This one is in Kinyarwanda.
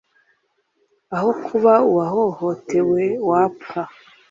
aho kuba uwahohotewe wapfa